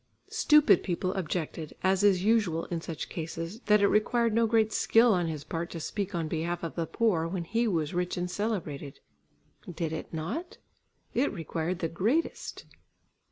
Stupid people objected, as is usual in such cases, that it required no great skill on his part to speak on behalf of the poor, when he was rich and celebrated. Did it not? It required the greatest.